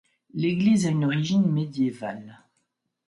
L’église a une origine médiévale.